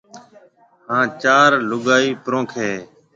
ھان چار لوگائيَ پرونکيَ ھيََََ